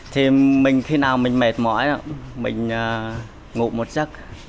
thì mình khi nào mình mệt mỏi đó mình ngủ một giấc